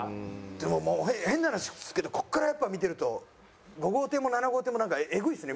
でももう変な話ですけどここからやっぱ見てると５号手も７号手もなんかエグいですね